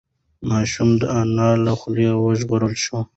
ماشوم د انا له خوا وژغورل شو.